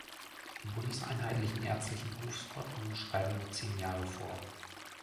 Die bundeseinheitlichen ärztlichen Berufsordnungen schreiben nur zehn Jahre vor.